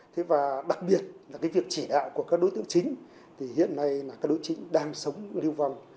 thế và đặc biệt là cái việc chỉ đạo của các đối tượng chính thì hiện nay là các đối tượng đang sống lưu vong